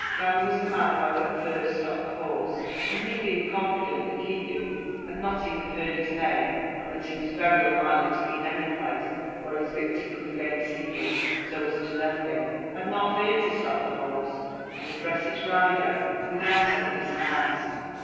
Dan was the man who had at first stopped the horse, and he being confident that Keegan had not even heard his name, and that he was very unlikely to be in any place where his victim could again see him so as to know him, had not feared to stop the horse, and address its rider without any disguise.